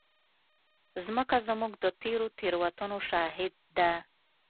مځکه زموږ د تېرو تېروتنو شاهد ده.